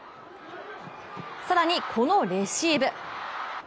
更に、このレシーブ。